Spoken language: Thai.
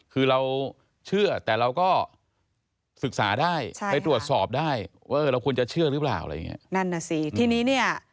คือเราเชื่อแต่เราก็สึกษาได้